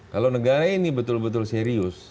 kalau negara ini betul betul serius